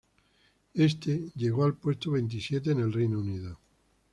Este llegó al puesto veintisiete en el Reino Unido.